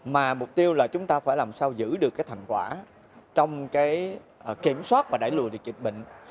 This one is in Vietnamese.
mà mục tiêu là chúng ta phải làm sao giữ được thành quả trong kiểm soát và đẩy lùi được dịch bệnh